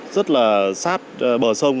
rất là sát bờ sông